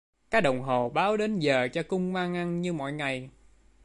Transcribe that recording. Cái đồng hồ báo đến giờ cho kuman ăn như mọi ngày